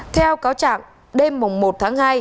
theo cáo trạng đêm một tháng hai